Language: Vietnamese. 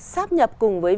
sáp nhập cùng với